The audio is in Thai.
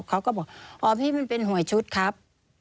เขาก็บอกอ๋อพี่มันเป็นหวยชุดครับ